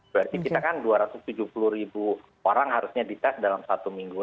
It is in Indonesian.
berarti kita kan dua ratus tujuh puluh ribu orang harusnya dites dalam satu minggu